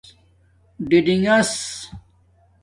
ڈِڈِنݣس